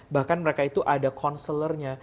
bahkan mereka itu ada konselornya